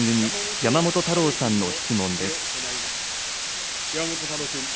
山本太郎君。